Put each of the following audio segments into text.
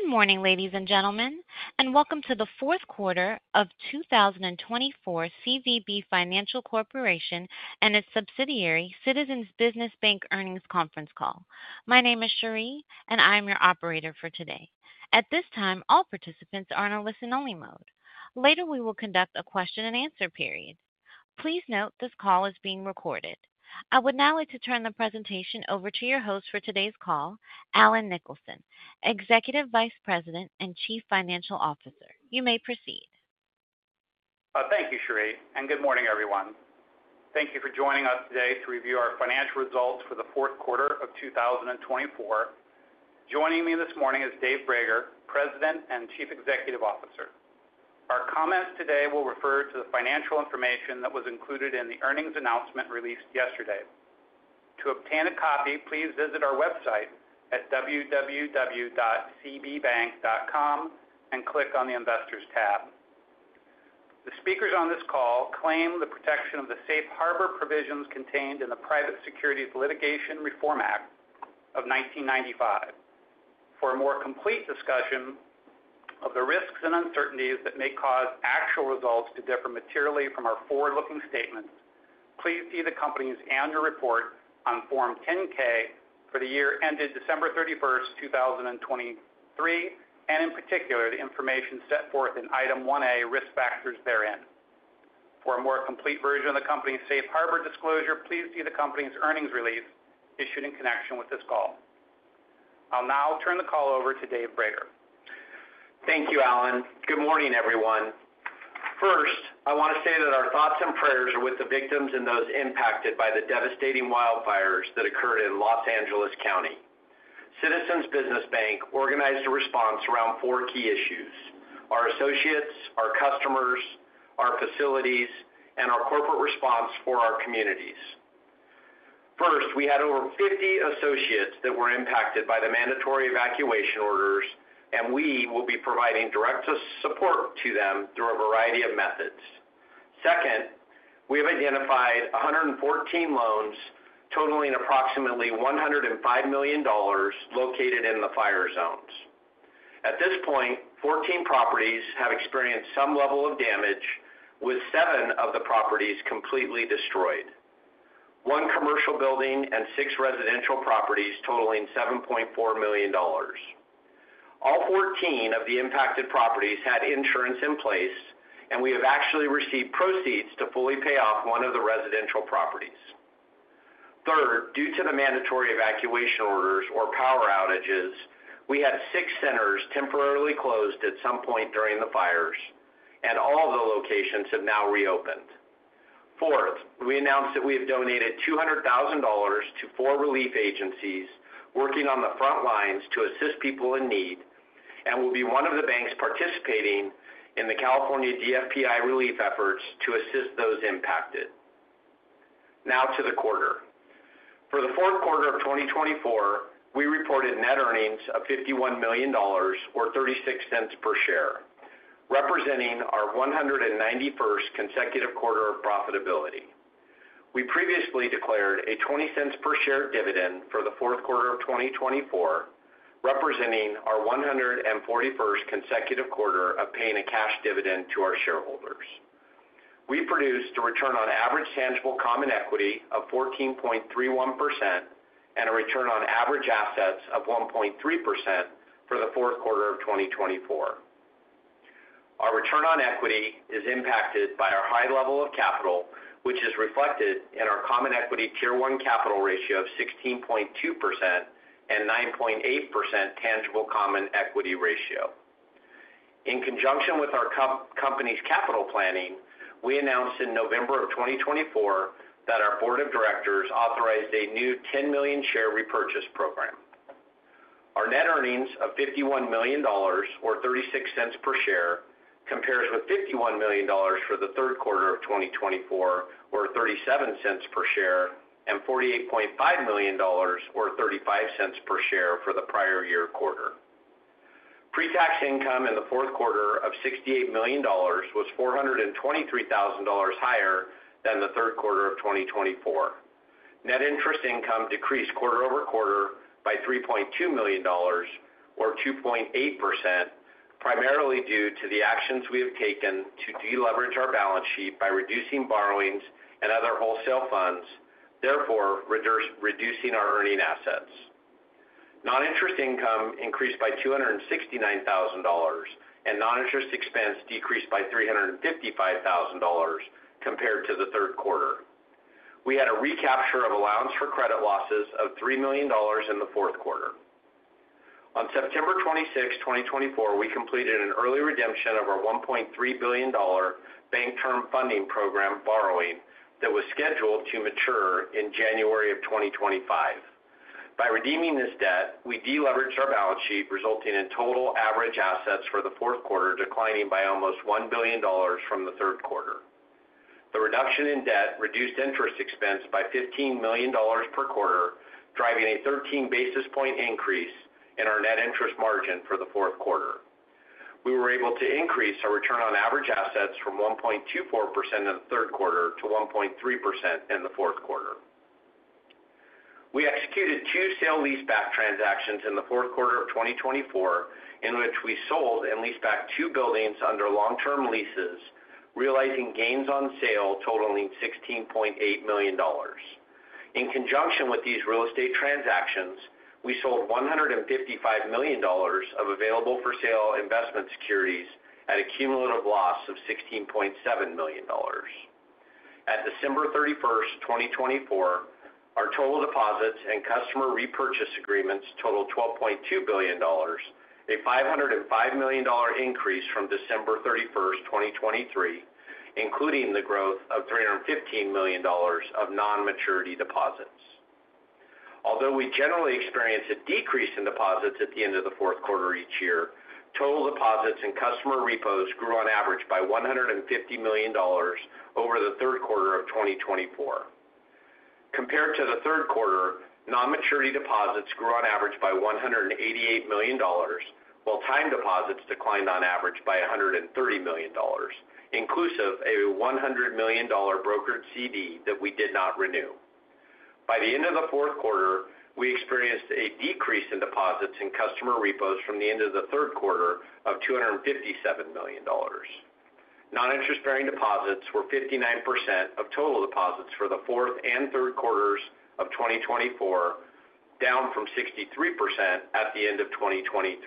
Good morning, ladies and gentlemen, and welcome to the fourth quarter of 2024 CVB Financial Corporation and its subsidiary, Citizens Business Bank Earnings Conference Call. My name is Cherie, and I am your operator for today. At this time, all participants are on a listen-only mode. Later, we will conduct a question-and-answer period. Please note this call is being recorded. I would now like to turn the presentation over to your host for today's call, Allen Nicholson, Executive Vice President and Chief Financial Officer. You may proceed. Thank you, Cherie, and good morning, everyone. Thank you for joining us today to review our financial results for the fourth quarter of 2024. Joining me this morning is Dave Brager, President and Chief Executive Officer. Our comments today will refer to the financial information that was included in the earnings announcement released yesterday. To obtain a copy, please visit our website at www.cbbank.com and click on the Investors tab. The speakers on this call claim the protection of the safe harbor provisions contained in the Private Securities Litigation Reform Act of 1995. For a more complete discussion of the risks and uncertainties that may cause actual results to differ materially from our forward-looking statements, please see the company's annual report on Form 10-K for the year ended December 31, 2023, and in particular, the information set forth in Item 1A, Risk Factors therein. For a more complete version of the company's safe harbor disclosure, please see the company's earnings release issued in connection with this call. I'll now turn the call over to Dave Brager. Thank you, Allen. Good morning, everyone. First, I want to say that our thoughts and prayers are with the victims and those impacted by the devastating wildfires that occurred in Los Angeles County. Citizens Business Bank organized a response around four key issues: our associates, our customers, our facilities, and our corporate response for our communities. First, we had over 50 associates that were impacted by the mandatory evacuation orders, and we will be providing direct support to them through a variety of methods. Second, we have identified 114 loans totaling approximately $105 million located in the fire zones. At this point, 14 properties have experienced some level of damage, with seven of the properties completely destroyed: one commercial building and six residential properties totaling $7.4 million. All 14 of the impacted properties had insurance in place, and we have actually received proceeds to fully pay off one of the residential properties. Third, due to the mandatory evacuation orders or power outages, we had six centers temporarily closed at some point during the fires, and all of the locations have now reopened. Fourth, we announced that we have donated $200,000 to four relief agencies working on the front lines to assist people in need and will be one of the banks participating in the California DFPI relief efforts to assist those impacted. Now to the quarter. For the fourth quarter of 2024, we reported net earnings of $51 million, or 36 cents per share, representing our 191st consecutive quarter of profitability. We previously declared a $0.20 per share dividend for the fourth quarter of 2024, representing our 141st consecutive quarter of paying a cash dividend to our shareholders. We produced a return on average tangible common equity of 14.31% and a return on average assets of 1.3% for the fourth quarter of 2024. Our return on equity is impacted by our high level of capital, which is reflected in our Common Equity Tier 1 capital ratio of 16.2% and 9.8% tangible common equity ratio. In conjunction with our company's capital planning, we announced in November of 2024 that our board of directors authorized a new 10 million share repurchase program. Our net earnings of $51 million, or $0.36 per share, compares with $51 million for the third quarter of 2024, or $0.37 per share, and $48.5 million, or $0.35 per share for the prior year quarter. Pre-tax income in the fourth quarter of $68 million was $423,000 higher than the third quarter of 2024. Net interest income decreased quarter over quarter by $3.2 million, or 2.8%, primarily due to the actions we have taken to deleverage our balance sheet by reducing borrowings and other wholesale funds, therefore reducing our earning assets. Non-interest income increased by $269,000, and non-interest expense decreased by $355,000 compared to the third quarter. We had a recapture of allowance for credit losses of $3 million in the fourth quarter. On September 26, 2024, we completed an early redemption of our $1.3 billion Bank Term Funding Program borrowing that was scheduled to mature in January of 2025. By redeeming this debt, we deleveraged our balance sheet, resulting in total average assets for the fourth quarter declining by almost $1 billion from the third quarter. The reduction in debt reduced interest expense by $15 million per quarter, driving a 13 basis points increase in our net interest margin for the fourth quarter. We were able to increase our return on average assets from 1.24% in the third quarter to 1.3% in the fourth quarter. We executed two sale lease-back transactions in the fourth quarter of 2024, in which we sold and leased back two buildings under long-term leases, realizing gains on sale totaling $16.8 million. In conjunction with these real estate transactions, we sold $155 million of available-for-sale investment securities at a cumulative loss of $16.7 million. At December 31st, 2024, our total deposits and customer repurchase agreements totaled $12.2 billion, a $505 million increase from December 31st, 2023, including the growth of $315 million of non-maturity deposits. Although we generally experience a decrease in deposits at the end of the fourth quarter each year, total deposits and customer repos grew on average by $150 million over the third quarter of 2024. Compared to the third quarter, non-maturity deposits grew on average by $188 million, while time deposits declined on average by $130 million, inclusive of a $100 million brokered CD that we did not renew. By the end of the fourth quarter, we experienced a decrease in deposits and customer repos from the end of the third quarter of $257 million. Non-interest-bearing deposits were 59% of total deposits for the fourth and third quarters of 2024, down from 63% at the end of 2023.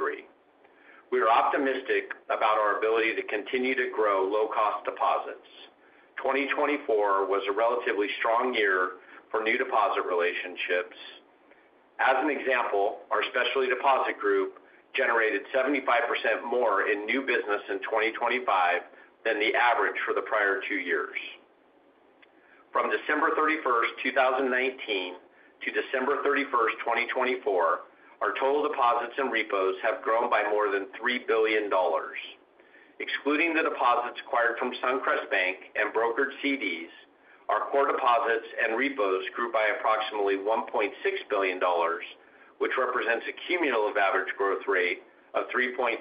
We are optimistic about our ability to continue to grow low-cost deposits. 2024 was a relatively strong year for new deposit relationships. As an example, our specialty deposit group generated 75% more in new business in 2025 than the average for the prior two years. From December 31st, 2019, to December 31st, 2024, our total deposits and repos have grown by more than $3 billion. Excluding the deposits acquired from Suncrest Bank and brokered CDs, our core deposits and repos grew by approximately $1.6 billion, which represents a cumulative average growth rate of 3.3%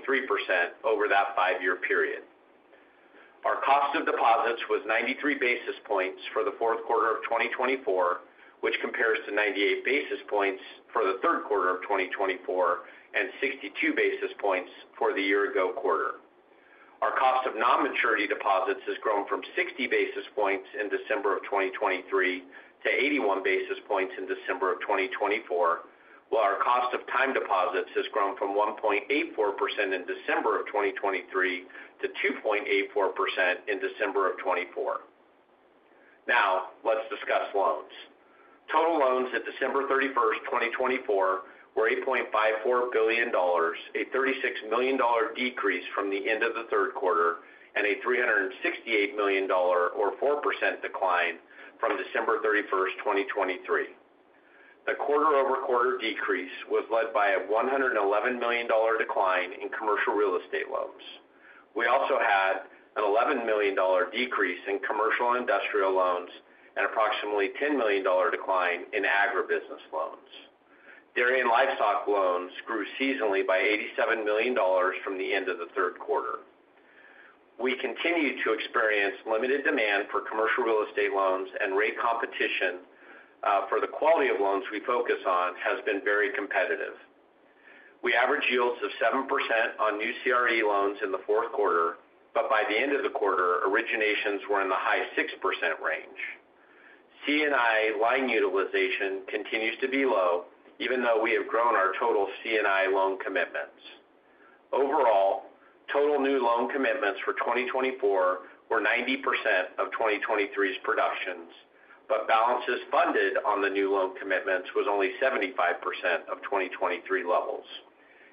over that five-year period. Our cost of deposits was 93 basis points for the fourth quarter of 2024, which compares to 98 basis points for the third quarter of 2024 and 62 basis points for the year-ago quarter. Our cost of non-maturity deposits has grown from 60 basis points in December of 2023 to 81 basis points in December of 2024, while our cost of time deposits has grown from 1.84% in December of 2023 to 2.84% in December of 2024. Now, let's discuss loans. Total loans at December 31st, 2024, were $8.54 billion, a $36 million decrease from the end of the third quarter, and a $368 million, or 4% decline, from December 31st, 2023. The quarter-over-quarter decrease was led by a $111 million decline in commercial real estate loans. We also had an $11 million decrease in commercial and industrial loans and approximately $10 million decline in agribusiness loans. Dairy and livestock loans grew seasonally by $87 million from the end of the third quarter. We continue to experience limited demand for commercial real estate loans, and rate competition for the quality of loans we focus on has been very competitive. We averaged yields of 7% on new CRE loans in the fourth quarter, but by the end of the quarter, originations were in the high 6% range. C&I line utilization continues to be low, even though we have grown our total C&I loan commitments. Overall, total new loan commitments for 2024 were 90% of 2023's productions, but balances funded on the new loan commitments was only 75% of 2023 levels,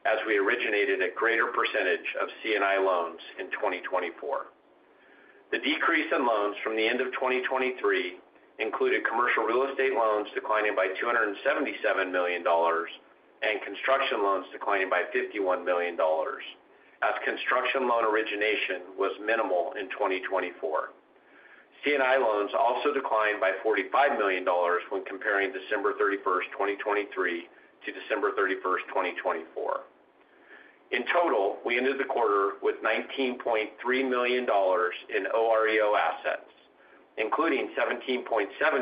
as we originated a greater percentage of C&I loans in 2024. The decrease in loans from the end of 2023 included commercial real estate loans declining by $277 million and construction loans declining by $51 million, as construction loan origination was minimal in 2024. C&I loans also declined by $45 million when comparing December 31st, 2023, to December 31st, 2024. In total, we ended the quarter with $19.3 million in OREO assets, including $17.7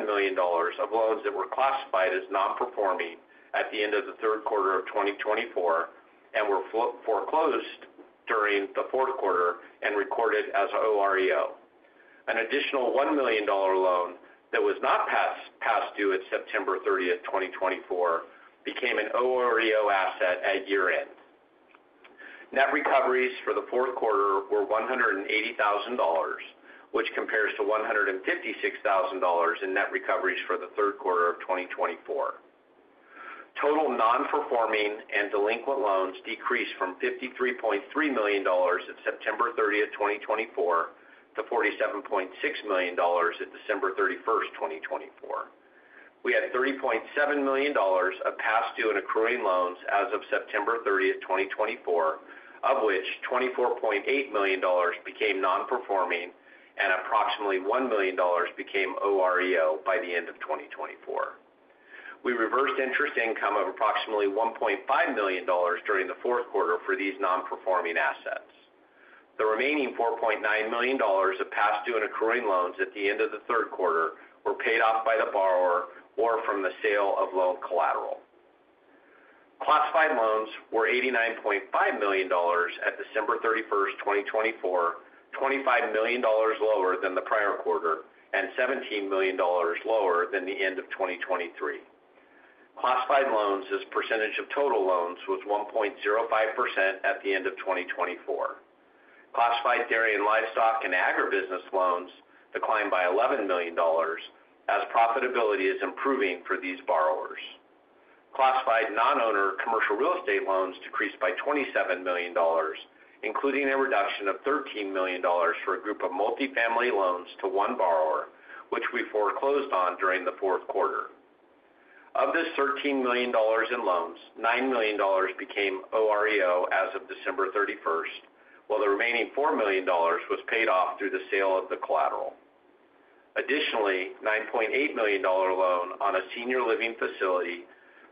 million of loans that were classified as non-performing at the end of the third quarter of 2024 and were foreclosed during the fourth quarter and recorded as OREO. An additional $1 million loan that was not past due at September 30th, 2024, became an OREO asset at year-end. Net recoveries for the fourth quarter were $180,000, which compares to $156,000 in net recoveries for the third quarter of 2024. Total non-performing and delinquent loans decreased from $53.3 million at September 30th, 2024, to $47.6 million at December 31, 2024. We had $30.7 million of past due and accruing loans as of September 30th, 2024, of which $24.8 million became non-performing and approximately $1 million became OREO by the end of 2024. We reversed interest income of approximately $1.5 million during the fourth quarter for these non-performing assets. The remaining $4.9 million of past due and accruing loans at the end of the third quarter were paid off by the borrower or from the sale of loan collateral. Classified loans were $89.5 million at December 31st, 2024, $25 million lower than the prior quarter and $17 million lower than the end of 2023. Classified loans as percentage of total loans was 1.05% at the end of 2024. Classified dairy and livestock and agribusiness loans declined by $11 million, as profitability is improving for these borrowers. Classified non-owner commercial real estate loans decreased by $27 million, including a reduction of $13 million for a group of multi-family loans to one borrower, which we foreclosed on during the fourth quarter. Of this $13 million in loans, $9 million became OREO as of December 31, while the remaining $4 million was paid off through the sale of the collateral. Additionally, a $9.8 million loan on a senior living facility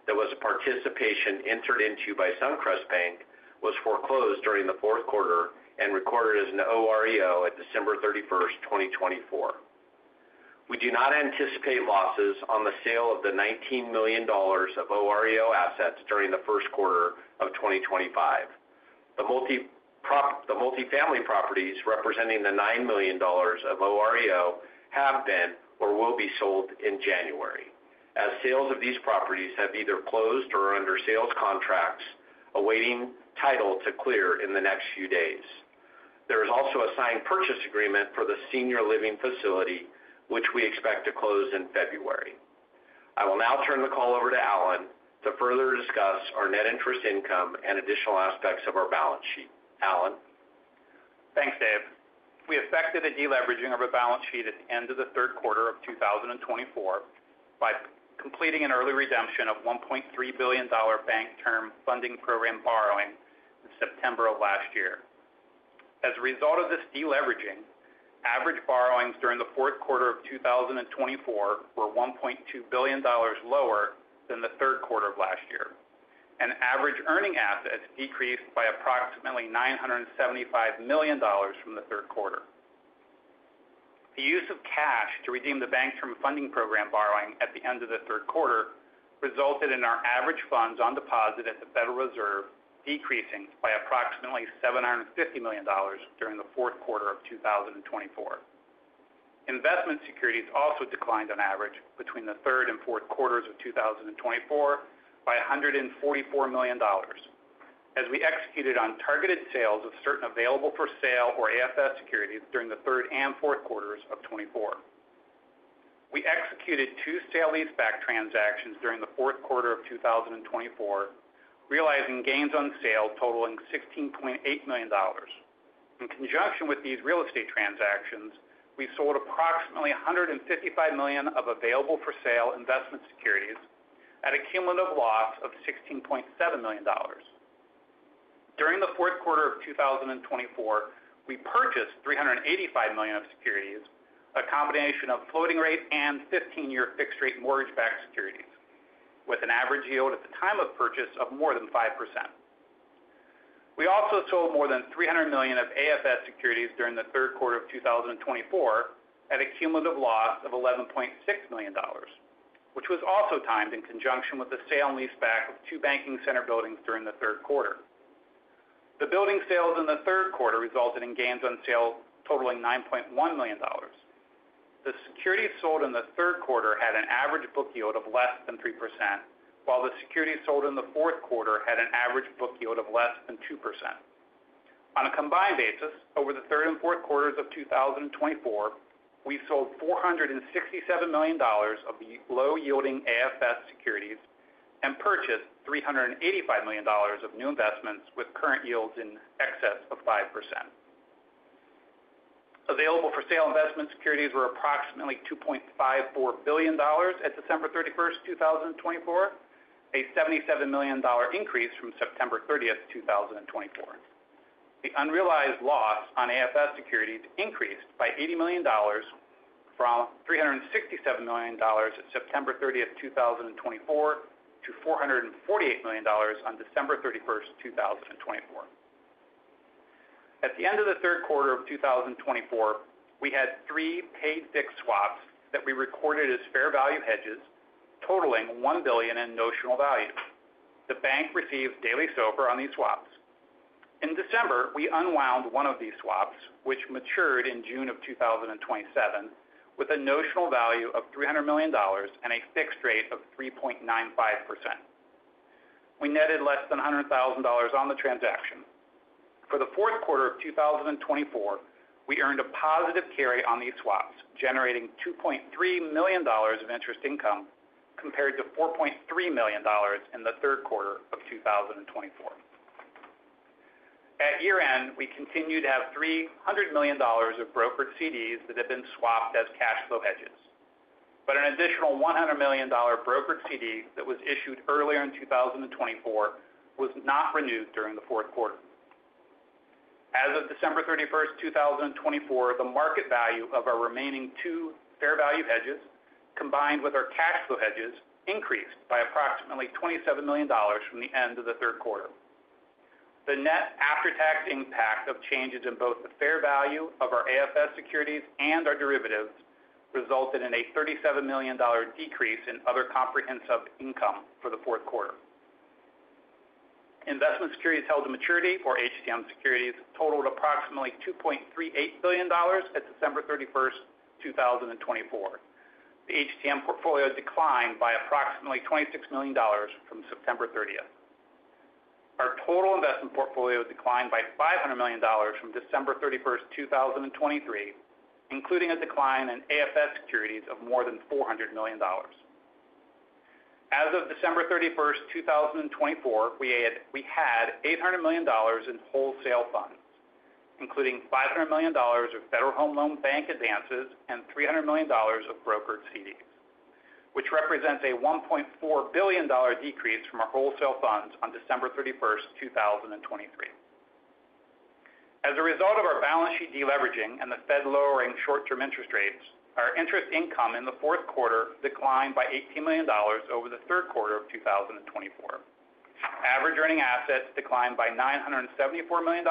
that was a participation entered into by Suncrest Bank was foreclosed during the fourth quarter and recorded as an OREO at December 31st, 2024. We do not anticipate losses on the sale of the $19 million of OREO assets during the first quarter of 2025. The multi-family properties representing the $9 million of OREO have been or will be sold in January, as sales of these properties have either closed or are under sales contracts awaiting title to clear in the next few days. There is also a signed purchase agreement for the senior living facility, which we expect to close in February. I will now turn the call over to Allen to further discuss our net interest income and additional aspects of our balance sheet. Allen? Thanks, Dave. We effected the deleveraging of our balance sheet at the end of the third quarter of 2024 by completing an early redemption of $1.3 billion Bank Term Funding Program borrowing in September of last year. As a result of this deleveraging, average borrowings during the fourth quarter of 2024 were $1.2 billion lower than the third quarter of last year, and average earning assets decreased by approximately $975 million from the third quarter. The use of cash to redeem the Bank Term Funding Program borrowing at the end of the third quarter resulted in our average funds on deposit at the Federal Reserve decreasing by approximately $750 million during the fourth quarter of 2024. Investment securities also declined on average between the third and fourth quarters of 2024 by $144 million, as we executed on targeted sales of certain available-for-sale or AFS securities during the third and fourth quarters of 2024. We executed two sale lease-back transactions during the fourth quarter of 2024, realizing gains on sale totaling $16.8 million. In conjunction with these real estate transactions, we sold approximately $155 million of available-for-sale investment securities at a cumulative loss of $16.7 million. During the fourth quarter of 2024, we purchased $385 million of securities, a combination of floating rate and 15-year fixed-rate mortgage-backed securities, with an average yield at the time of purchase of more than 5%. We also sold more than $300 million of AFS securities during the third quarter of 2024 at a cumulative loss of $11.6 million, which was also timed in conjunction with the sale and lease-back of two banking center buildings during the third quarter. The building sales in the third quarter resulted in gains on sale totaling $9.1 million. The securities sold in the third quarter had an average book yield of less than 3%, while the securities sold in the fourth quarter had an average book yield of less than 2%. On a combined basis, over the third and fourth quarters of 2024, we sold $467 million of the low-yielding AFS securities and purchased $385 million of new investments with current yields in excess of 5%. Available-for-sale investment securities were approximately $2.54 billion at December 31st, 2024, a $77 million increase from September 30th, 2024. The unrealized loss on AFS securities increased by $80 million from $367 million at September 30, 2024, to $448 million on December 31, 2024. At the end of the third quarter of 2024, we had three pay-fixed swaps that we recorded as fair value hedges, totaling $1 billion in notional value. The bank received daily SOFR on these swaps. In December, we unwound one of these swaps, which matured in June of 2027, with a notional value of $300 million and a fixed rate of 3.95%. We netted less than $100,000 on the transaction. For the fourth quarter of 2024, we earned a positive carry on these swaps, generating $2.3 million of interest income compared to $4.3 million in the third quarter of 2024. At year-end, we continued to have $300 million of brokered CDs that had been swapped as cash flow hedges, but an additional $100 million brokered CD that was issued earlier in 2024 was not renewed during the fourth quarter. As of December 31st, 2024, the market value of our remaining two fair value hedges, combined with our cash flow hedges, increased by approximately $27 million from the end of the third quarter. The net after-tax impact of changes in both the fair value of our AFS securities and our derivatives resulted in a $37 million decrease in other comprehensive income for the fourth quarter. Investment securities held to maturity for HTM securities totaled approximately $2.38 billion at December 31st, 2024. The HTM portfolio declined by approximately $26 million from September 30th. Our total investment portfolio declined by $500 million from December 31st, 2023, including a decline in AFS securities of more than $400 million. As of December 31st, 2024, we had $800 million in wholesale funds, including $500 million of Federal Home Loan Bank advances and $300 million of brokered CDs, which represents a $1.4 billion decrease from our wholesale funds on December 31st, 2023. As a result of our balance sheet deleveraging and the Fed lowering short-term interest rates, our interest income in the fourth quarter declined by $18 million over the third quarter of 2024. Average earning assets declined by $974 million,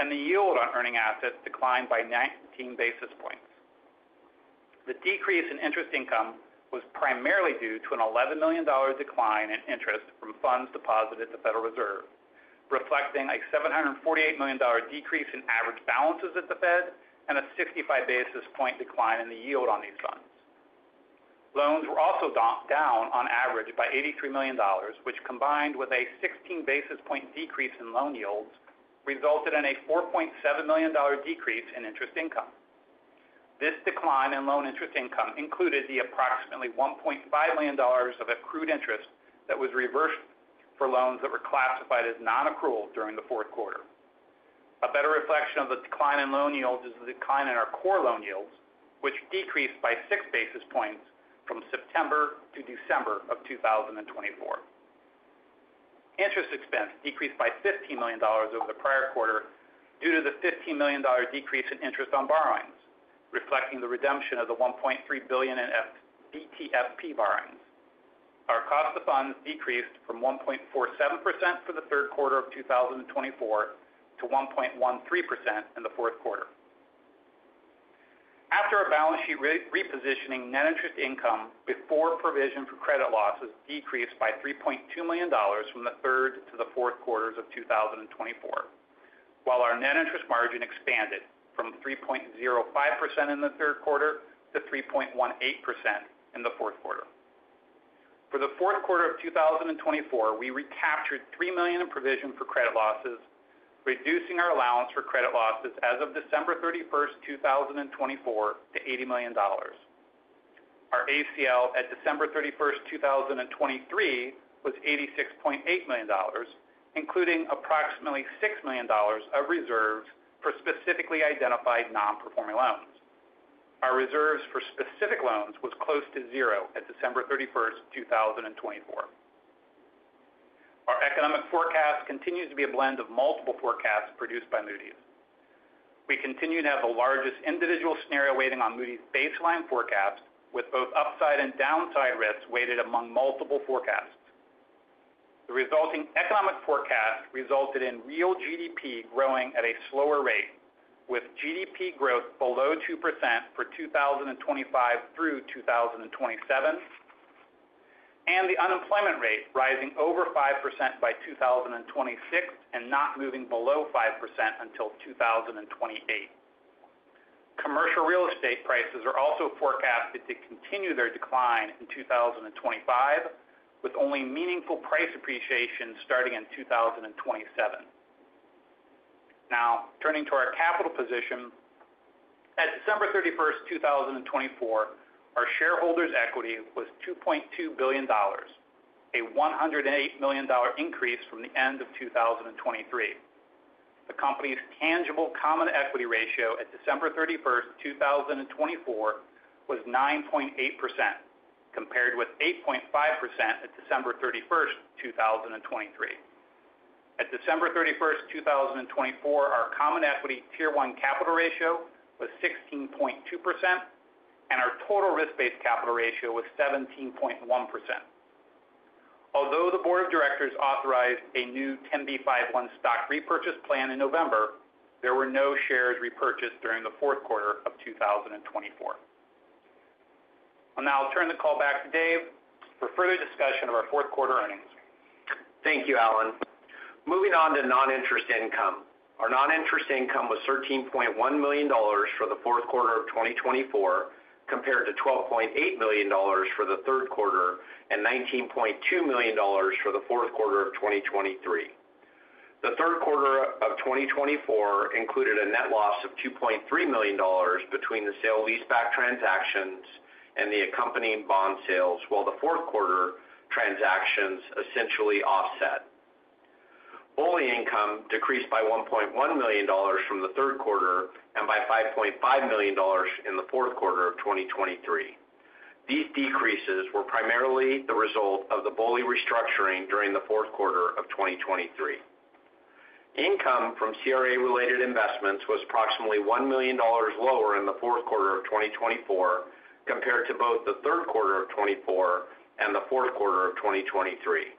and the yield on earning assets declined by 19 basis points. The decrease in interest income was primarily due to an $11 million decline in interest from funds deposited at the Federal Reserve, reflecting a $748 million decrease in average balances at the Fed and a 65 basis point decline in the yield on these funds. Loans were also down on average by $83 million, which, combined with a 16 basis point decrease in loan yields, resulted in a $4.7 million decrease in interest income. This decline in loan interest income included the approximately $1.5 million of accrued interest that was reversed for loans that were classified as non-accrual during the fourth quarter. A better reflection of the decline in loan yields is the decline in our core loan yields, which decreased by 6 basis points from September to December of 2024. Interest expense decreased by $15 million over the prior quarter due to the $15 million decrease in interest on borrowings, reflecting the redemption of the $1.3 billion in BTFP borrowings. Our cost of funds decreased from 1.47% for the third quarter of 2024 to 1.13% in the fourth quarter. After our balance sheet repositioning, net interest income before provision for credit losses decreased by $3.2 million from the third to the fourth quarters of 2024, while our net interest margin expanded from 3.05% in the third quarter to 3.18% in the fourth quarter. For the fourth quarter of 2024, we recaptured $3 million in provision for credit losses, reducing our allowance for credit losses as of December 31st, 2024, to $80 million. Our ACL at December 31, 2023, was $86.8 million, including approximately $6 million of reserves for specifically identified non-performing loans. Our reserves for specific loans were close to zero at December 31st, 2024. Our economic forecast continues to be a blend of multiple forecasts produced by Moody's. We continue to have the largest individual scenario weighting on Moody's baseline forecast, with both upside and downside risks weighted among multiple forecasts. The resulting economic forecast resulted in real GDP growing at a slower rate, with GDP growth below 2% for 2025 through 2027, and the unemployment rate rising over 5% by 2026 and not moving below 5% until 2028. Commercial real estate prices are also forecasted to continue their decline in 2025, with only meaningful price appreciation starting in 2027. Now, turning to our capital position, at December 31st, 2024, our shareholders' equity was $2.2 billion, a $108 million increase from the end of 2023. The company's tangible common equity ratio at December 31st, 2024, was 9.8%, compared with 8.5% at December 31, 2023. At December 31st, 2024, our Common Equity Tie 1 capital ratio was 16.2%, and our total risk-based capital ratio was 17.1%. Although the board of directors authorized a new 10b5-1 stock repurchase plan in November, there were no shares repurchased during the fourth quarter of 2024. Now, I'll turn the call back to Dave for further discussion of our fourth quarter earnings. Thank you, Allen. Moving on to non-interest income, our non-interest income was $13.1 million for the fourth quarter of 2024, compared to $12.8 million for the third quarter and $19.2 million for the fourth quarter of 2023. The third quarter of 2024 included a net loss of $2.3 million between the sale-leaseback transactions and the accompanying bond sales, while the fourth quarter transactions essentially offset. BOLI income decreased by $1.1 million from the third quarter and by $5.5 million in the fourth quarter of 2023. These decreases were primarily the result of the BOLI restructuring during the fourth quarter of 2023. Income from CRA-related investments was approximately $1 million lower in the fourth quarter of 2024, compared to both the third quarter of 2024 and the fourth quarter of 2023.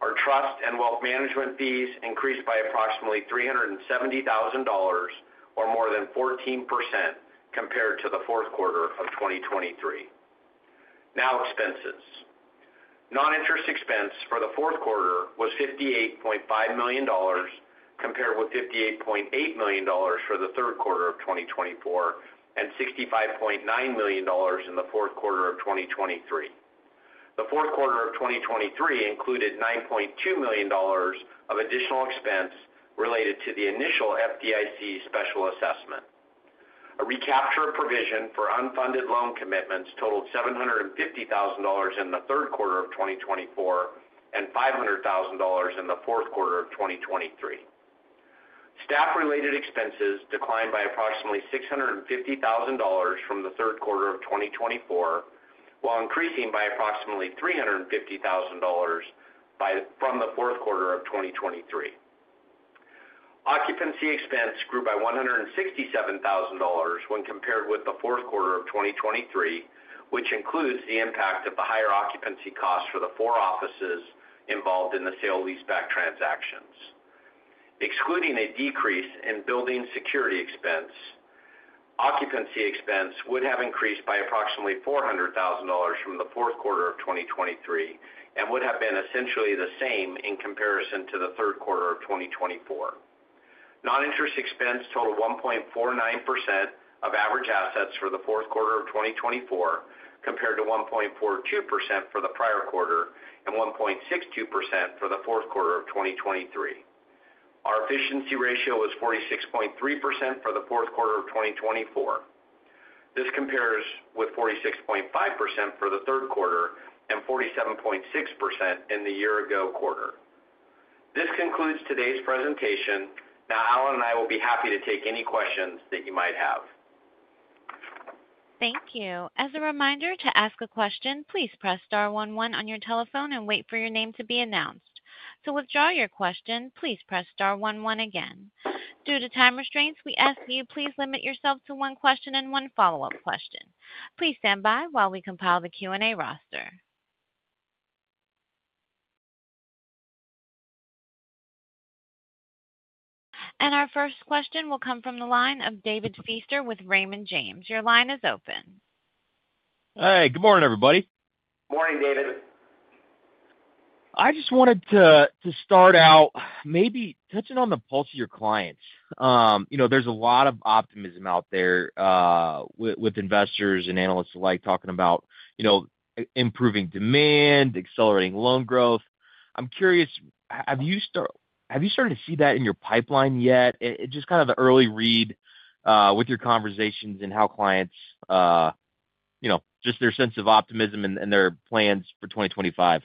Our trust and wealth management fees increased by approximately $370,000, or more than 14%, compared to the fourth quarter of 2023. Now, expenses. Noninterest expense for the fourth quarter was $58.5 million, compared with $58.8 million for the third quarter of 2024 and $65.9 million in the fourth quarter of 2023. The fourth quarter of 2023 included $9.2 million of additional expense related to the initial FDIC special assessment. A recapture of provision for unfunded loan commitments totaled $750,000 in the third quarter of 2024 and $500,000 in the fourth quarter of 2023. Staff-related expenses declined by approximately $650,000 from the third quarter of 2024, while increasing by approximately $350,000 from the fourth quarter of 2023. Occupancy expense grew by $167,000 when compared with the fourth quarter of 2023, which includes the impact of the higher occupancy costs for the four offices involved in the sale lease-back transactions. Excluding a decrease in building security expense, occupancy expense would have increased by approximately $400,000 from the fourth quarter of 2023 and would have been essentially the same in comparison to the third quarter of 2024. Noninterest expense totaled 1.49% of average assets for the fourth quarter of 2024, compared to 1.42% for the prior quarter and 1.62% for the fourth quarter of 2023. Our efficiency ratio was 46.3% for the fourth quarter of 2024. This compares with 46.5% for the third quarter and 47.6% in the year-ago quarter. This concludes today's presentation. Now, Allen and I will be happy to take any questions that you might have. Thank you. As a reminder, to ask a question, please press star one one on your telephone and wait for your name to be announced. To withdraw your question, please press star 11 again. Due to time restraints, we ask that you please limit yourself to one question and one follow-up question. Please stand by while we compile the Q&A roster. Our first question will come from the line of David Feaster with Raymond James. Your line is open. Hey, good morning, everybody. Morning, David. I just wanted to start out maybe touching on the pulse of your clients. There's a lot of optimism out there with investors and analysts alike talking about improving demand, accelerating loan growth. I'm curious, have you started to see that in your pipeline yet? Just kind of an early read with your conversations and how clients just their sense of optimism and their plans for 2025.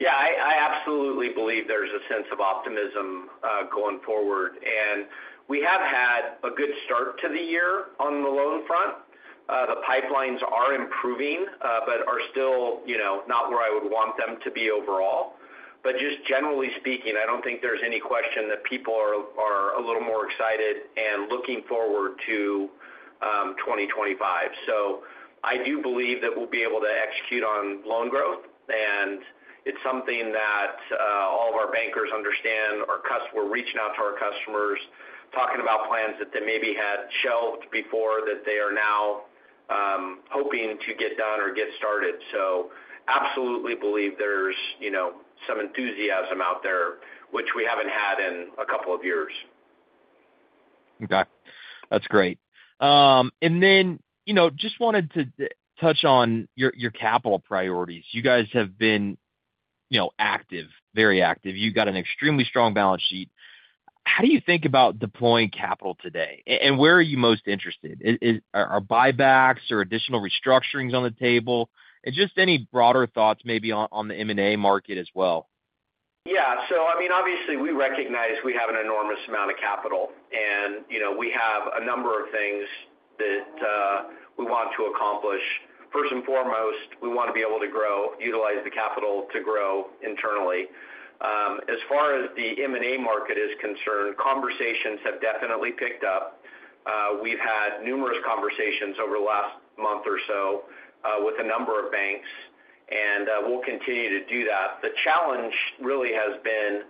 Yeah, I absolutely believe there's a sense of optimism going forward. We have had a good start to the year on the loan front. The pipelines are improving but are still not where I would want them to be overall. Just generally speaking, I don't think there's any question that people are a little more excited and looking forward to 2025. I do believe that we'll be able to execute on loan growth. It's something that all of our bankers understand. We're reaching out to our customers, talking about plans that they maybe had shelved before that they are now hoping to get done or get started. So absolutely believe there's some enthusiasm out there, which we haven't had in a couple of years. Okay. That's great. And then just wanted to touch on your capital priorities. You guys have been active, very active. You've got an extremely strong balance sheet. How do you think about deploying capital today? And where are you most interested? Are buybacks or additional restructurings on the table? And just any broader thoughts maybe on the M&A market as well. Yeah. So I mean, obviously, we recognize we have an enormous amount of capital. And we have a number of things that we want to accomplish. First and foremost, we want to be able to grow, utilize the capital to grow internally. As far as the M&A market is concerned, conversations have definitely picked up. We've had numerous conversations over the last month or so with a number of banks. And we'll continue to do that. The challenge really has been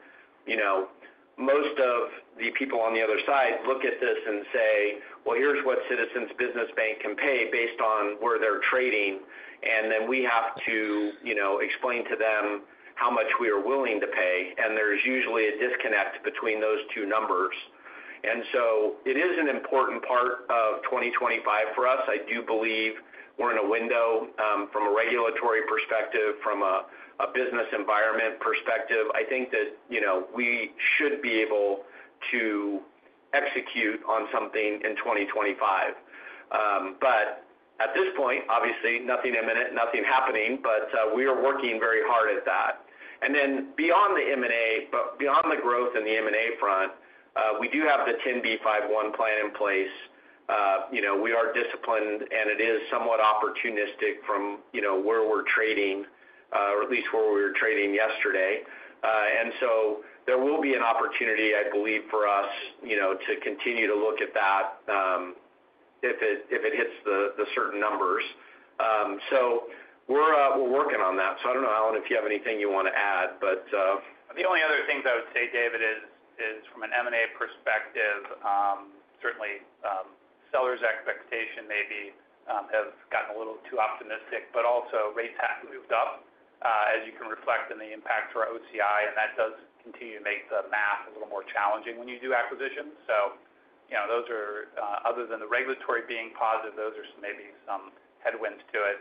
most of the people on the other side look at this and say, "Well, here's what Citizens Business Bank can pay based on where they're trading." And then we have to explain to them how much we are willing to pay. And there's usually a disconnect between those two numbers. And so it is an important part of 2025 for us. I do believe we're in a window from a regulatory perspective, from a business environment perspective. I think that we should be able to execute on something in 2025. But at this point, obviously, nothing imminent, nothing happening, but we are working very hard at that. And then beyond the M&A, but beyond the growth in the M&A front, we do have the 10b5-1 plan in place. We are disciplined, and it is somewhat opportunistic from where we're trading, or at least where we were trading yesterday. And so there will be an opportunity, I believe, for us to continue to look at that if it hits the certain numbers. So we're working on that. So I don't know, Allen, if you have anything you want to add. But the only other thing that I would say, David, is from an M&A perspective, certainly seller's expectation maybe has gotten a little too optimistic, but also rates have moved up, as you can reflect in the impact for OCI. And that does continue to make the math a little more challenging when you do acquisitions. So those are, other than the regulatory being positive, those are maybe some headwinds to it.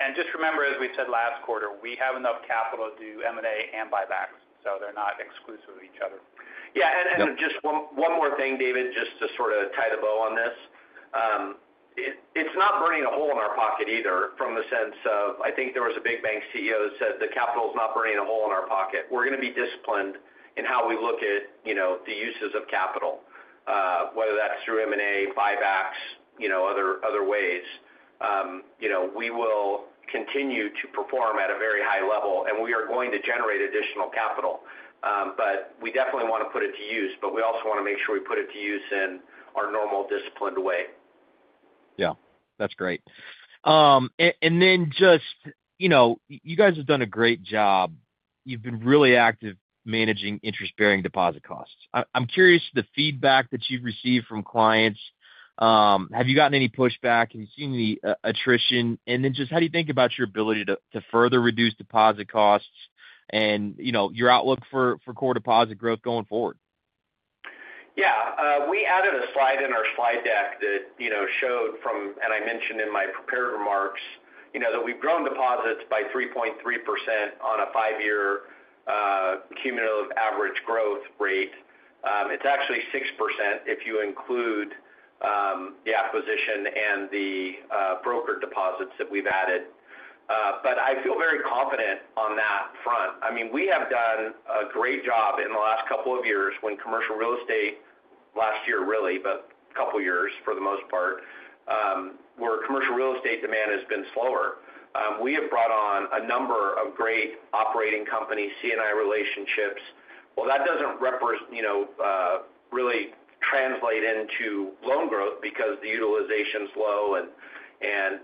And just remember, as we said last quarter, we have enough capital to do M&A and buybacks. So they're not exclusive of each other. Yeah. And just one more thing, David, just to sort of tie the bow on this, it's not burning a hole in our pocket either from the sense of, I think there was a big bank CEO who said, "The capital is not burning a hole in our pocket." We're going to be disciplined in how we look at the uses of capital, whether that's through M&A, buybacks, other ways. We will continue to perform at a very high level, and we are going to generate additional capital. But we definitely want to put it to use, but we also want to make sure we put it to use in our normal disciplined way. Yeah. That's great. And then just you guys have done a great job. You've been really active managing interest-bearing deposit costs. I'm curious the feedback that you've received from clients. Have you gotten any pushback? Have you seen any attrition? And then just how do you think about your ability to further reduce deposit costs and your outlook for core deposit growth going forward? Yeah. We added a slide in our slide deck that showed from, and I mentioned in my prepared remarks, that we've grown deposits by 3.3% on a five-year cumulative average growth rate. It's actually 6% if you include the acquisition and the brokered deposits that we've added. But I feel very confident on that front. I mean, we have done a great job in the last couple of years when commercial real estate last year, really, but a couple of years for the most part, where commercial real estate demand has been slower. We have brought on a number of great operating companies, C&I relationships, well, that doesn't really translate into loan growth because the utilization is low,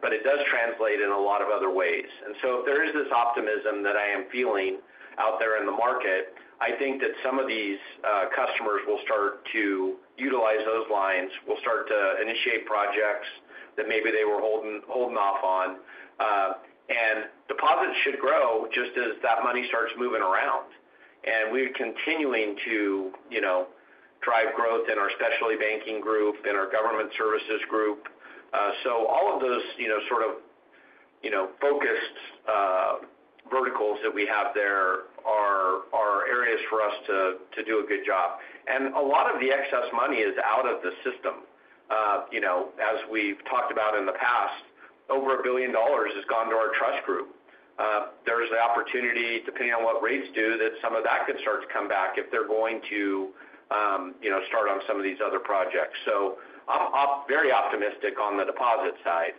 but it does translate in a lot of other ways, and so if there is this optimism that I am feeling out there in the market, I think that some of these customers will start to utilize those lines, will start to initiate projects that maybe they were holding off on, and deposits should grow just as that money starts moving around, and we're continuing to drive growth in our specialty banking group, in our government services group. So all of those sort of focused verticals that we have there are areas for us to do a good job. And a lot of the excess money is out of the system. As we've talked about in the past, over $1 billion has gone to our trust group. There's the opportunity, depending on what rates do, that some of that could start to come back if they're going to start on some of these other projects. So I'm very optimistic on the deposit side.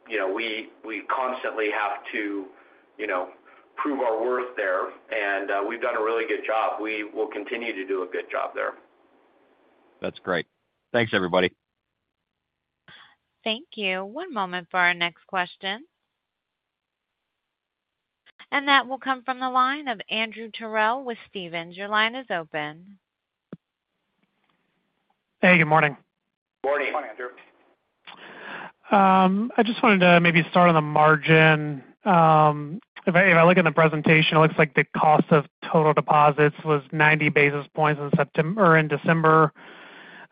We constantly have to prove our worth there. And we've done a really good job. We will continue to do a good job there. That's great. Thanks, everybody. Thank you. One moment for our next question. And that will come from the line of Andrew Terrell with Stephens. Your line is open. Hey, good morning. Morning. Morning, Andrew. I just wanted to maybe start on the margin. If I look at the presentation, it looks like the cost of total deposits was 90 basis points in December.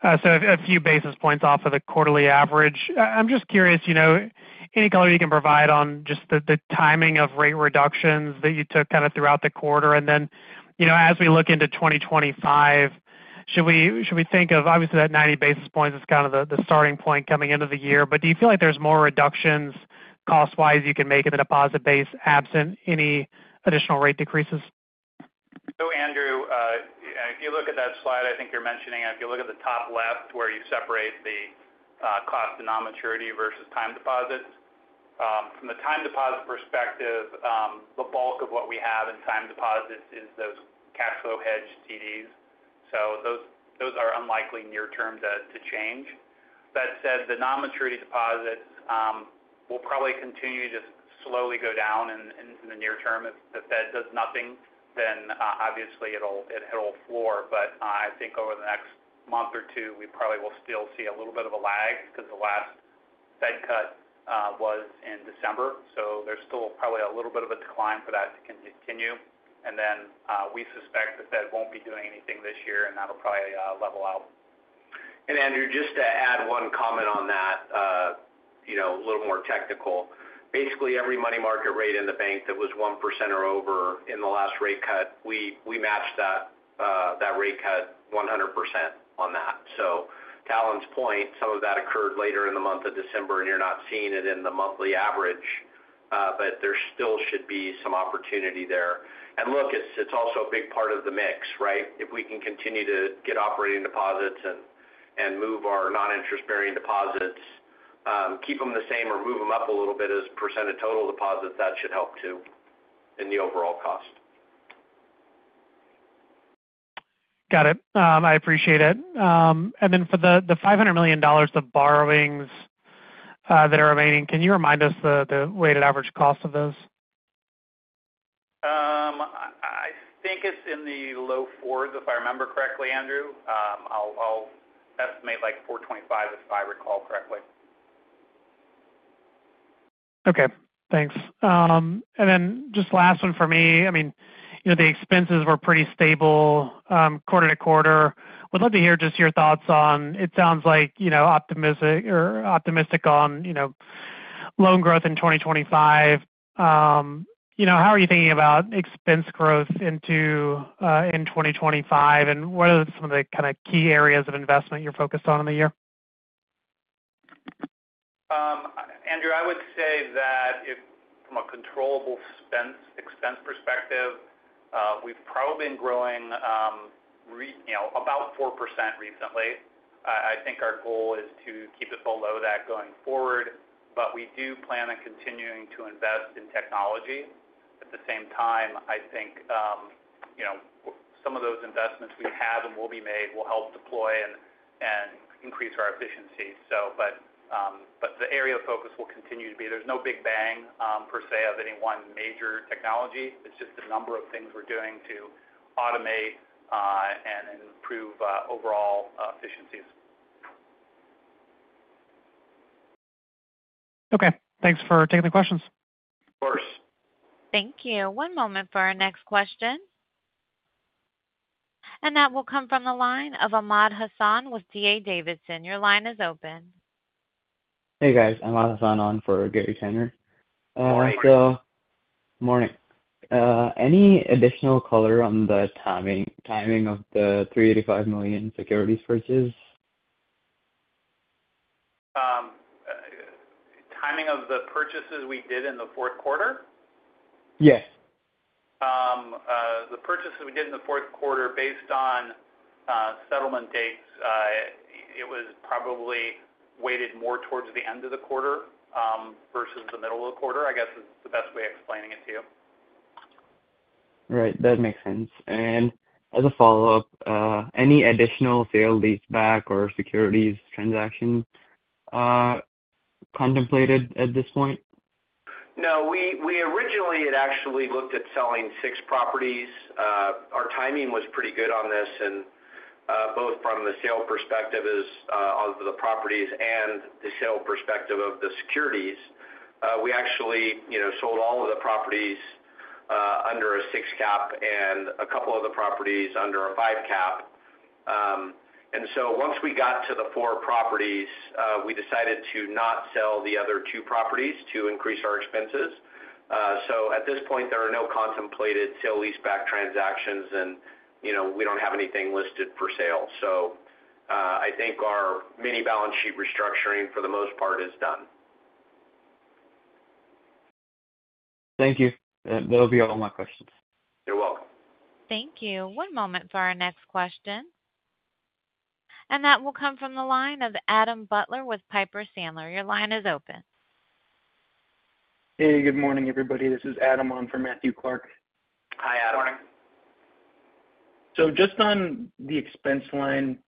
So a few basis points off of the quarterly average. I'm just curious, any color you can provide on just the timing of rate reductions that you took kind of throughout the quarter. And then as we look into 2025, should we think of, obviously, that 90 basis points is kind of the starting point coming into the year. But do you feel like there's more reductions cost-wise you can make in the deposit base absent any additional rate decreases? So, Andrew, if you look at that slide, I think you're mentioning if you look at the top left where you separate the cost and non-maturity versus time deposits. From the time deposit perspective, the bulk of what we have in time deposits is those cash flow hedge CDs. So those are unlikely near-term to change. That said, the non-maturity deposits will probably continue to slowly go down in the near term. If the Fed does nothing, then obviously it'll floor. But I think over the next month or two, we probably will still see a little bit of a lag because the last Fed cut was in December. So there's still probably a little bit of a decline for that to continue. And then we suspect the Fed won't be doing anything this year, and that'll probably level out. And Andrew, just to add one comment on that, a little more technical. Basically, every money market rate in the bank that was 1% or over in the last rate cut, we matched that rate cut 100% on that. So to Allen's point, some of that occurred later in the month of December, and you're not seeing it in the monthly average, but there still should be some opportunity there. And look, it's also a big part of the mix, right? If we can continue to get operating deposits and move our non-interest-bearing deposits, keep them the same or move them up a little bit as % of total deposits, that should help too in the overall cost. Got it. I appreciate it. And then for the $500 million of borrowings that are remaining, can you remind us the weighted average cost of those? I think it's in the low fours, if I remember correctly, Andrew. I'll estimate like 425, if I recall correctly. Okay. Thanks. And then just last one for me, I mean, the expenses were pretty stable quarter-to-quarter. Would love to hear just your thoughts on, it sounds like, optimistic on loan growth in 2025. How are you thinking about expense growth in 2025? And what are some of the kind of key areas of investment you're focused on in the year? Andrew, I would say that from a controllable expense perspective, we've probably been growing about 4% recently. I think our goal is to keep it below that going forward. But we do plan on continuing to invest in technology. At the same time, I think some of those investments we have and will be made will help deploy and increase our efficiency. But the area of focus will continue to be, there's no big bang per se of any one major technology. It's just the number of things we're doing to automate and improve overall efficiencies. Okay. Thanks for taking the questions. Of course. Thank you. One moment for our next question. And that will come from the line of Ahmad Hasan with D.A. Davidson. Your line is open. Hey, guys. Ahmad Hasan on for Gary Tenner. Morning. Good morning. Any additional color on the timing of the $385 million securities purchase? Timing of the purchases we did in the fourth quarter? Yes. The purchases we did in the fourth quarter, based on settlement dates, it was probably weighted more towards the end of the quarter versus the middle of the quarter, I guess, is the best way of explaining it to you. Right. That makes sense. And as a follow-up, any additional sale-leaseback or securities transaction contemplated at this point? No. We originally had actually looked at selling six properties. Our timing was pretty good on this, both from the sale perspective of the properties and the sale perspective of the securities. We actually sold all of the properties under a six cap and a couple of the properties under a five cap. And so once we got to the four properties, we decided to not sell the other two properties to increase our expenses. So at this point, there are no contemplated sale lease back transactions, and we don't have anything listed for sale. So I think our mini balance sheet restructuring, for the most part, is done. Thank you. That'll be all my questions. You're welcome. Thank you. One moment for our next question. And that will come from the line of Adam Butler with Piper Sandler. Your line is open. Hey, good morning, everybody. This is Adam on for Matthew Clark. Hi, Adam. Good morning. So just on the expense line,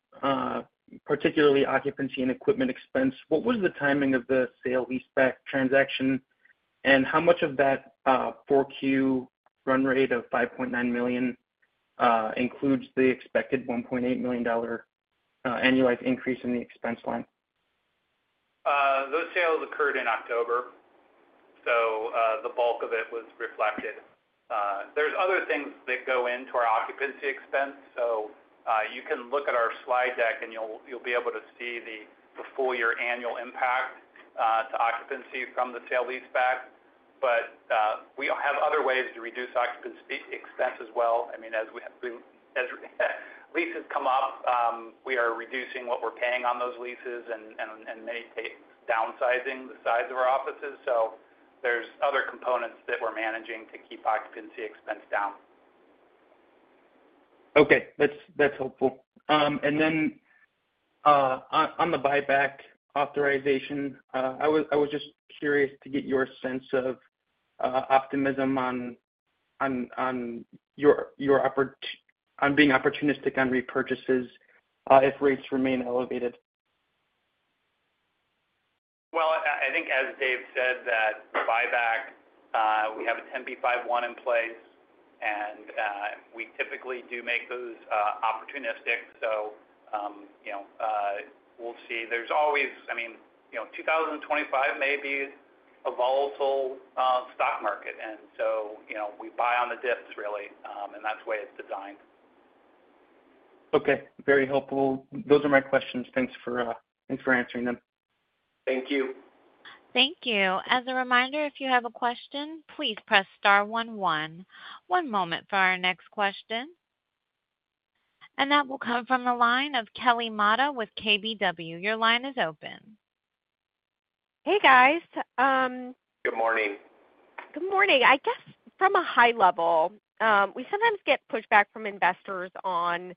particularly occupancy and equipment expense, what was the timing of the sale lease back transaction? And how much of that 4Q run rate of $5.9 million includes the expected $1.8 million annualized increase in the expense line? Those sales occurred in October. So the bulk of it was reflected. There's other things that go into our occupancy expense. So you can look at our slide deck, and you'll be able to see the full year annual impact to occupancy from the sale lease back. But we have other ways to reduce occupancy expense as well. I mean, as leases come up, we are reducing what we're paying on those leases and downsizing the size of our offices. So there's other components that we're managing to keep occupancy expense down. Okay. That's helpful. And then on the buyback authorization, I was just curious to get your sense of optimism on being opportunistic on repurchases if rates remain elevated. Well, I think, as Dave said, that buyback, we have a 10b5-1 in place, and we typically do make those opportunistic. So we'll see. There's always, I mean, 2025 may be a volatile stock market. And so we buy on the dips, really. And that's the way it's designed. Okay. Very helpful. Those are my questions. Thanks for answering them. Thank you. Thank you. As a reminder, if you have a question, please press star 11. One moment for our next question. And that will come from the line of Kelly Motta with KBW. Your line is open. Hey, guys. Good morning. Good morning. I guess from a high level, we sometimes get pushback from investors on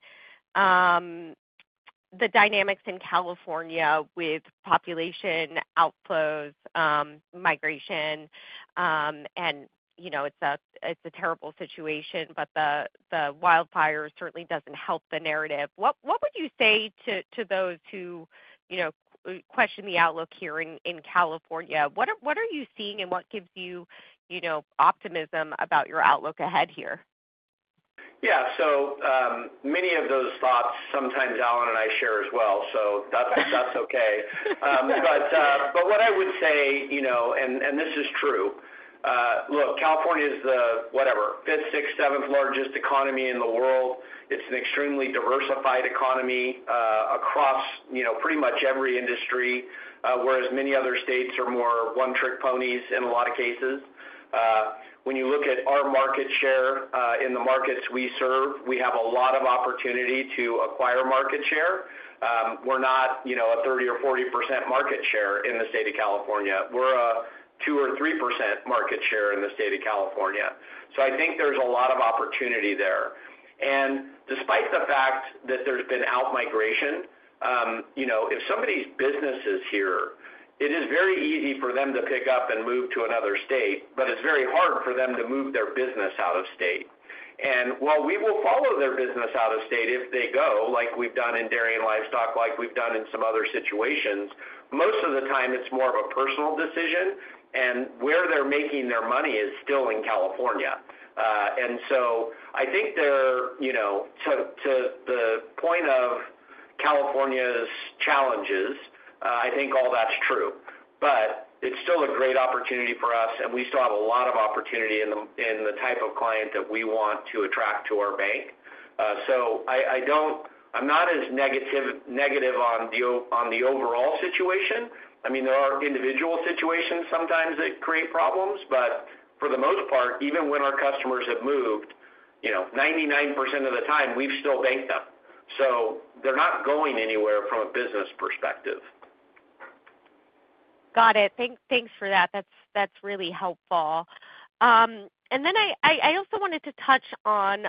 the dynamics in California with population outflows, migration, and it's a terrible situation, but the wildfire certainly doesn't help the narrative. What would you say to those who question the outlook here in California? What are you seeing, and what gives you optimism about your outlook ahead here? Yeah. So many of those thoughts sometimes Allen and I share as well. So that's okay. But what I would say, and this is true, look, California is the, whatever, fifth, sixth, seventh largest economy in the world. It's an extremely diversified economy across pretty much every industry, whereas many other states are more one-trick ponies in a lot of cases. When you look at our market share in the markets we serve, we have a lot of opportunity to acquire market share. We're not a 30% or 40% market share in the state of California. We're a 2% or 3% market share in the state of California. So I think there's a lot of opportunity there. And despite the fact that there's been outmigration, if somebody's business is here, it is very easy for them to pick up and move to another state, but it's very hard for them to move their business out of state. And while we will follow their business out of state if they go, like we've done in dairy and livestock, like we've done in some other situations, most of the time it's more of a personal decision, and where they're making their money is still in California. And so I think to the point of California's challenges, I think all that's true. But it's still a great opportunity for us, and we still have a lot of opportunity in the type of client that we want to attract to our bank. So I'm not as negative on the overall situation. I mean, there are individual situations sometimes that create problems, but for the most part, even when our customers have moved, 99% of the time we've still banked them. So they're not going anywhere from a business perspective. Got it. Thanks for that. That's really helpful. And then I also wanted to touch on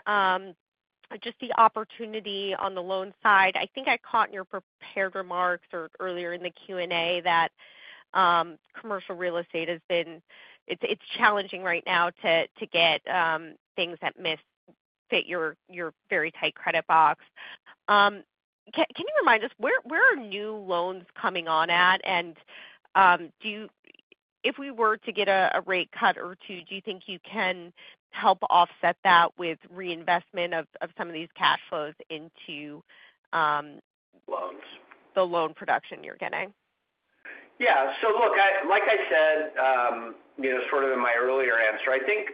just the opportunity on the loan side. I think I caught in your prepared remarks earlier in the Q&A that commercial real estate has been. It's challenging right now to get things that fit your very tight credit box. Can you remind us where are new loans coming on at? And if we were to get a rate cut or two, do you think you can help offset that with reinvestment of some of these cash flows into the loan production you're getting? Yeah. So look, like I said sort of in my earlier answer, I think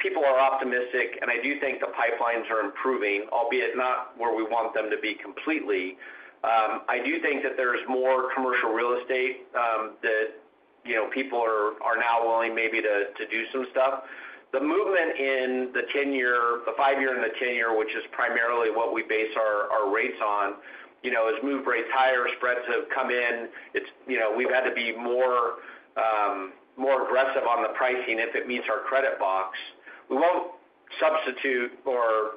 people are optimistic, and I do think the pipelines are improving, albeit not where we want them to be completely. I do think that there's more commercial real estate that people are now willing maybe to do some stuff. The movement in the 10-year, the 5-year, and the 10-year, which is primarily what we base our rates on, has moved rates higher. Spreads have come in. We've had to be more aggressive on the pricing if it meets our credit box. We won't substitute or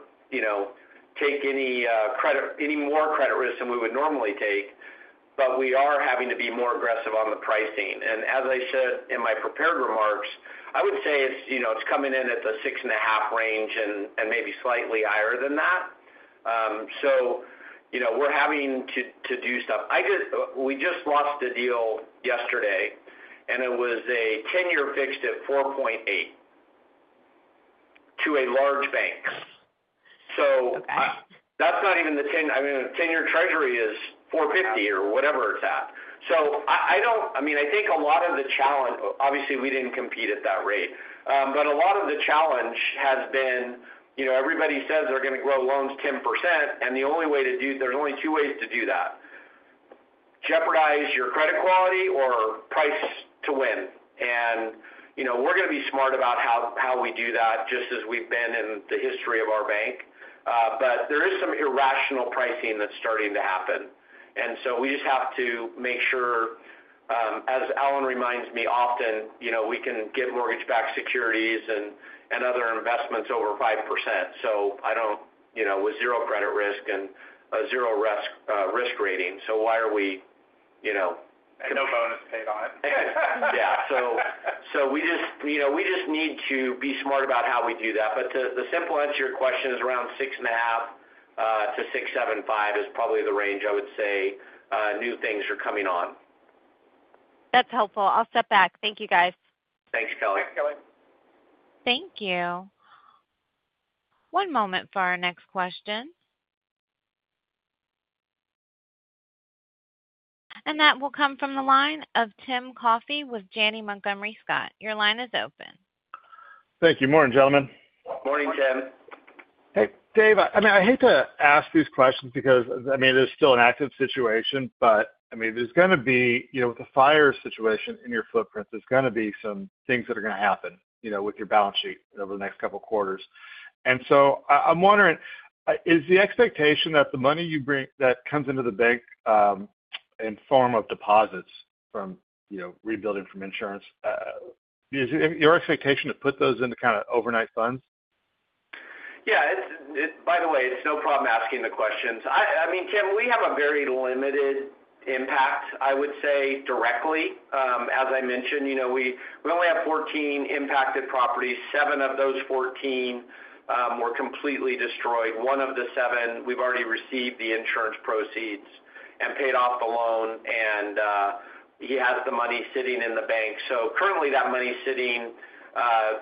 take any more credit risk than we would normally take, but we are having to be more aggressive on the pricing. And as I said in my prepared remarks, I would say it's coming in at the 6.5 range and maybe slightly higher than that. So we're having to do stuff. We just lost a deal yesterday, and it was a 10-year fixed at 4.8% to a large bank. So that's not even the 10, I mean, the 10-year treasury is 4.50% or whatever it's at. So I mean, I think a lot of the challenge, obviously, we didn't compete at that rate, but a lot of the challenge has been everybody says they're going to grow loans 10%, and the only way to do, there's only two ways to do that: jeopardize your credit quality or price to win. And we're going to be smart about how we do that, just as we've been in the history of our bank. But there is some irrational pricing that's starting to happen. And so we just have to make sure, as Allen reminds me often, we can get mortgage-backed securities and other investments over 5%. So I don't, with zero credit risk and a zero risk rating. So why are we. No bonus paid on it. Yeah. So we just need to be smart about how we do that. But to the simple answer to your question is around 6.5-6.75 is probably the range I would say new things are coming on. That's helpful. I'll step back. Thank you, guys. Thanks, Kelly. Thanks, Kelly. Thank you. One moment for our next question. And that will come from the line of Tim Coffey with Janney Montgomery Scott. Your line is open. Thank you. Morning, gentlemen. Morning, Tim. Hey, Dave. I mean, I hate to ask these questions because, I mean, it is still an active situation, but I mean, there's going to be with the fire situation in your footprints, there's going to be some things that are going to happen with your balance sheet over the next couple of quarters. And so I'm wondering, is the expectation that the money you bring that comes into the bank in form of deposits from rebuilding from insurance, is it your expectation to put those into kind of overnight funds? Yeah. By the way, it's no problem asking the questions. I mean, Tim, we have a very limited impact, I would say, directly. As I mentioned, we only have 14 impacted properties. Seven of those 14 were completely destroyed. One of the seven, we've already received the insurance proceeds and paid off the loan, and he has the money sitting in the bank. So currently, that money's sitting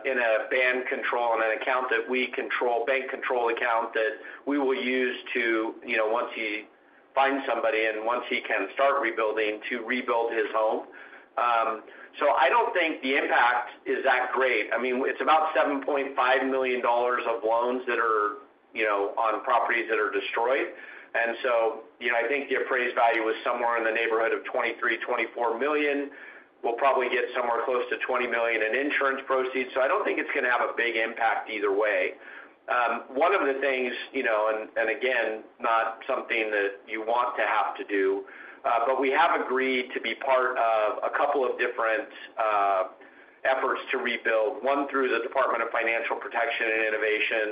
in a bank-controlled account that we control that we will use to, once he finds somebody and once he can start rebuilding, to rebuild his home. So I don't think the impact is that great. I mean, it's about $7.5 million of loans that are on properties that are destroyed. And so I think the appraised value was somewhere in the neighborhood of $23-24 million. We'll probably get somewhere close to $20 million in insurance proceeds. So I don't think it's going to have a big impact either way. One of the things, and again, not something that you want to have to do, but we have agreed to be part of a couple of different efforts to rebuild, one through the Department of Financial Protection and Innovation.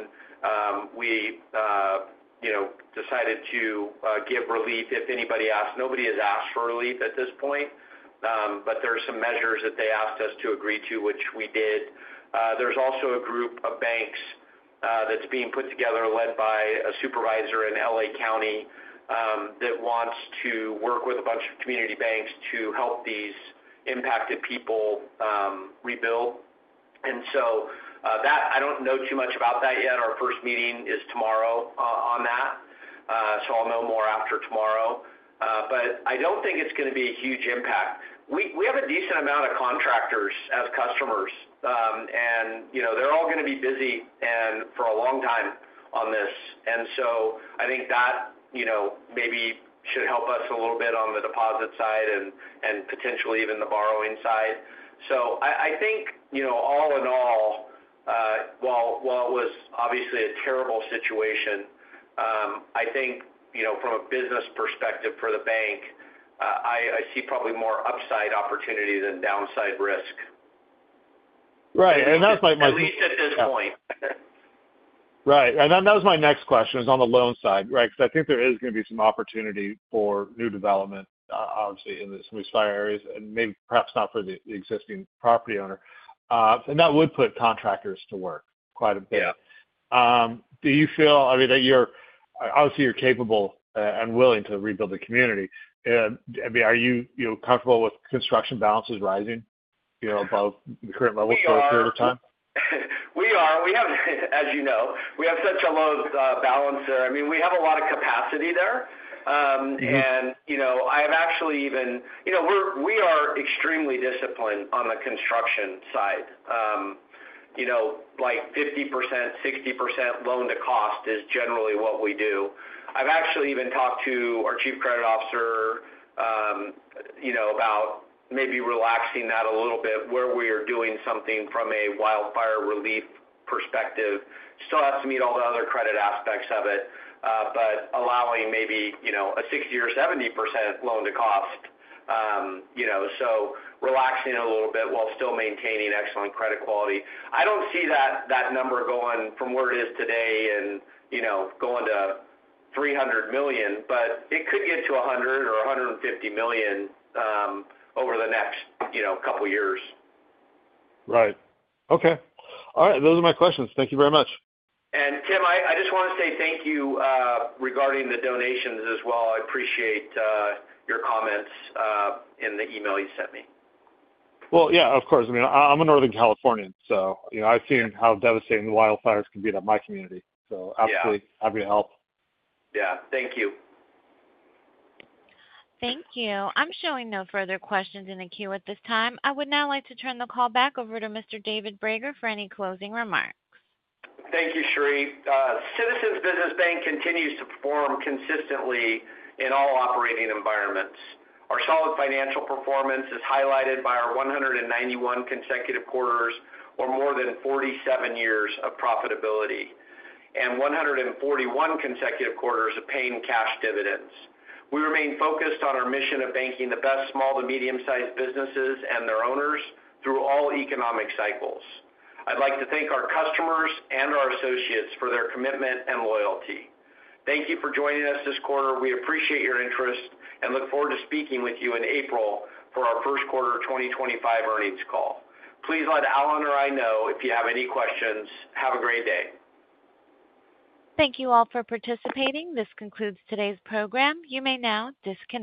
We decided to give relief if anybody asked. Nobody has asked for relief at this point, but there are some measures that they asked us to agree to, which we did. There's also a group of banks that's being put together led by a supervisor in L.A. County that wants to work with a bunch of community banks to help these impacted people rebuild, and so that, I don't know too much about that yet. Our first meeting is tomorrow on that, so I'll know more after tomorrow, but I don't think it's going to be a huge impact. We have a decent amount of contractors as customers, and they're all going to be busy for a long time on this, and so I think that maybe should help us a little bit on the deposit side and potentially even the borrowing side, so I think all in all, while it was obviously a terrible situation, I think from a business perspective for the bank, I see probably more upside opportunity than downside risk. Right. And that's my- At least at this point. Right. And that was my next question is on the loan side, right? Because I think there is going to be some opportunity for new development, obviously, in some of these fire areas, and maybe perhaps not for the existing property owner. And that would put contractors to work quite a bit. Do you feel, I mean, that you're obviously capable and willing to rebuild the community? I mean, are you comfortable with construction balances rising above the current level for a period of time? We are. As you know, we have such a low balance there. I mean, we have a lot of capacity there. And I have actually even, we are extremely disciplined on the construction side. Like 50%, 60% loan-to-cost is generally what we do. I've actually even talked to our chief credit officer about maybe relaxing that a little bit where we are doing something from a wildfire relief perspective. Still have to meet all the other credit aspects of it, but allowing maybe a 60% or 70% loan-to-cost. So relaxing it a little bit while still maintaining excellent credit quality. I don't see that number going from where it is today and going to $300 million, but it could get to $100 million or $150 million over the next couple of years. Right. Okay. All right. Those are my questions. Thank you very much. And Tim, I just want to say thank you regarding the donations as well. I appreciate your comments in the email you sent me. Well, yeah, of course. I mean, I'm a Northern Californian, so I've seen how devastating the wildfires can be to my community. So absolutely happy to help. Yeah. Thank you. Thank you. I'm showing no further questions in the queue at this time. I would now like to turn the call back over to Mr. David Brager for any closing remarks. Thank you, Cherie. Citizens Business Bank continues to perform consistently in all operating environments. Our solid financial performance is highlighted by our 191 consecutive quarters or more than 47 years of profitability and 141 consecutive quarters of paying cash dividends. We remain focused on our mission of banking the best small to medium-sized businesses and their owners through all economic cycles. I'd like to thank our customers and our associates for their commitment and loyalty. Thank you for joining us this quarter. We appreciate your interest and look forward to speaking with you in April for our first quarter 2025 earnings call. Please let Allen or I know if you have any questions. Have a great day. Thank you all for participating. This concludes today's program. You may now disconnect.